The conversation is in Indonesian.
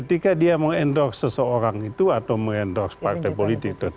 ketika dia meng endorse seseorang itu atau meng endorse partai politik tertentu